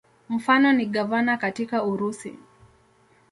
Mfano ni gavana katika Urusi.